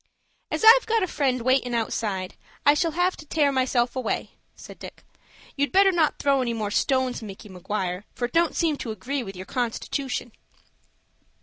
"As I've got a friend waitin' outside, I shall have to tear myself away," said Dick. "You'd better not throw any more stones, Micky Maguire, for it don't seem to agree with your constitution."